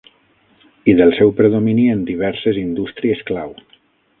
I del seu predomini en diverses indústries clau